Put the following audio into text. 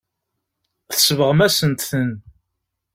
Tsebɣem-asent-ten.